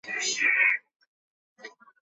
法国是单一制国家。